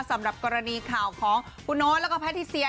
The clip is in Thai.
สำหรับกรณีข่าวของคุณโน๊ตแล้วก็แพทิเซีย